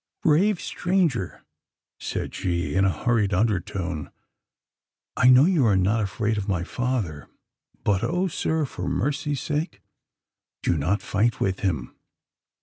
"Brave stranger!" said she, in a hurried undertone, "I know you are not afraid of my father; but oh, sir! for mercy's sake, do not fight with him!"